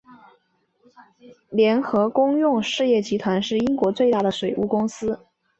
联合公用事业集团是英国最大的水务公司。